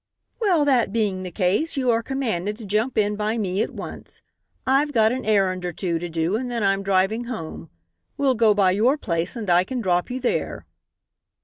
"Well, that being the case, you are commanded to jump in by me at once. I've got an errand or two to do and then I'm driving home. We'll go by your place and I can drop you there."